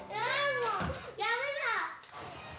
もうやめだ！